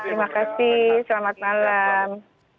terima kasih selamat malam